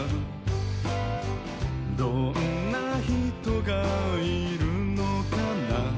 「どんなひとがいるのかな」